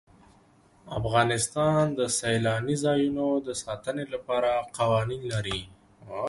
افغانستان د سیلاني ځایونو د ساتنې لپاره قوانین لري.